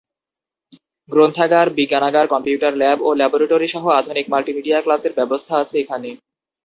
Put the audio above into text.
গ্রন্থাগার, বিজ্ঞানাগার, computer lab ও ল্যাবরেটরি সহ আধুনিক মাল্টিমিডিয়া ক্লাসের ব্যবস্থা আছে এখানে।